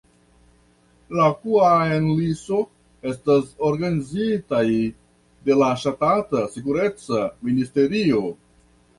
La Kŭan-li-so, estas organizitaj de la ŝtata sekureca ministerio.